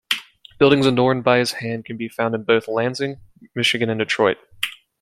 Buildings adorned by his hand can be found in both Lansing, Michigan and Detroit.